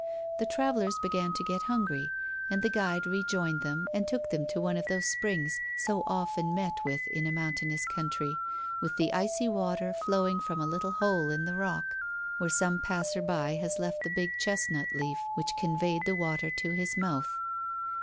The travellers began to get hungry, and the guide rejoined them and took them to one of those springs so often met with in a mountainous country, with the icy water flowing from a little hole in the rock where some passer by has left the big chestnut leaf which conveyed the water to his mouth.